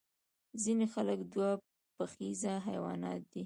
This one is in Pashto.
ځینې خلک دوه پښیزه حیوانات دي